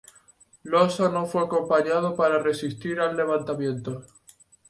Loza no fue acompañado para resistir al levantamiento.